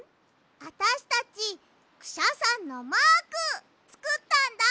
あたしたちクシャさんのマークつくったんだ。